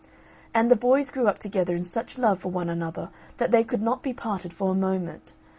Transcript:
And the boys grew up together in such love for one another that they could not be parted for a moment.